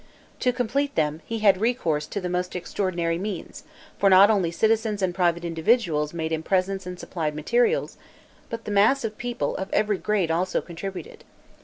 To complete them, he had recourse to the most extraordinary means; for not only citizens and private individuals made him presents and supplied materials, but the mass of people, of every grade, also contributed.